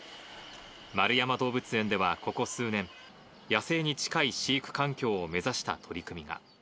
円山動物園ではここ数年、野生に近い飼育環境を目指した取り組みが。